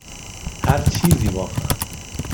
هر چیزی، واقعا.